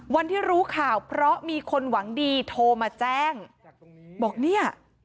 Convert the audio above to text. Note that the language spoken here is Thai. วันที่รู้ข่าวเพราะมีคนหวังดีโทรมาแจ้งบอกเนี่ย